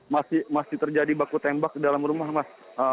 masih terjadi baku tembak di dalam rumah mas